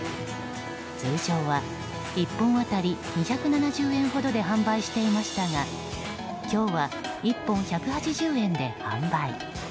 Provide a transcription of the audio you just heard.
通常は１本当たり２７０円ほどで販売していましたが今日は１本１８０円で販売。